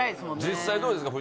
実際どうですか？